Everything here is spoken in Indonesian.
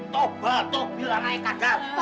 toba toh bila naik agar